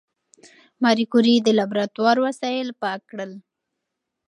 ماري کوري د لابراتوار وسایل پاک کړل.